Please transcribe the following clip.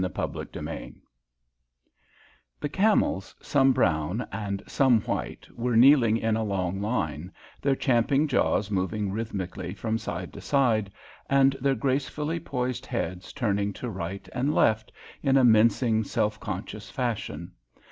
CHAPTER V The camels, some brown and some white, were kneeling in a long line, their champing jaws moving rhythmically from side to side, and their gracefully poised heads turning to right and left in a mincing, self conscious fashion.